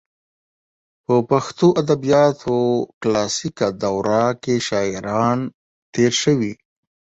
په پښتو ادبیاتو کلاسیکه دوره کې شاعران تېر شوي.